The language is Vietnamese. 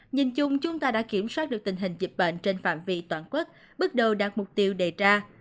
nhìn chung chúng ta đã kiểm soát được tình hình dịch bệnh trên phạm vị toàn quốc bước đầu đạt mục tiêu đề ra